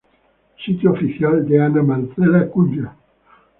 Sitio oficial de Ana Marcela Cunha